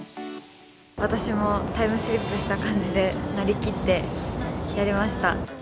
私もタイムスリップした感じで、なりきってやりました。